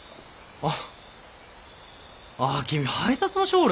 あっ。